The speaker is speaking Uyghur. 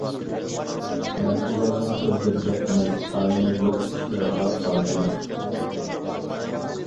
مەن ئۇلارنىڭ ئۆزلىرىگە ئەمەس، تايىنى يوق ئىشلىرىغا قارشىمەن.